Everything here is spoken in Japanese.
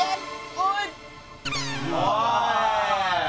おい！